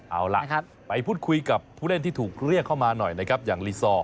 เอาล่ะไปพูดคุยกับผู้เล่นที่ถูกเรียกเข้ามาหน่อยนะครับอย่างลีซอร์